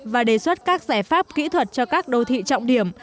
và đề xuất các giải pháp kỹ thuật cho các đô thị trọng điểm